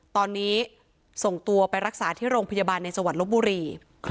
ตอนนี้ส่งตัวไปรักษาที่โรงพยาบาลในจังหวัดลบบุรี